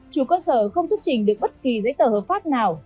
chủ cơ sở không xuất trình được bất kỳ giấy tờ hợp pháp nào